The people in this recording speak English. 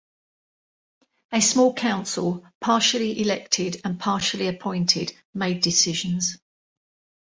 A small council, partially elected and partially appointed, made decisions.